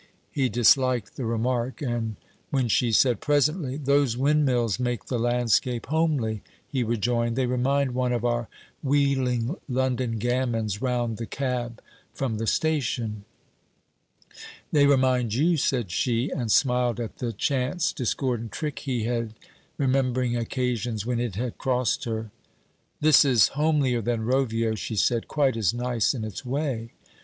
He disliked the remark; and when she said presently: 'Those windmills make the landscape homely,' he rejoined: 'They remind one of our wheeling London gamins round the cab from the station.' 'They remind you,' said she, and smiled at the chance discordant trick he had, remembering occasions when it had crossed her. 'This is homelier than Rovio,' she said; 'quite as nice in its way.'